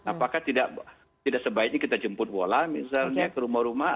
apakah tidak sebaiknya kita jemput bola misalnya ke rumah rumah